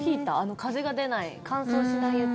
風が出ない乾燥しないやつ。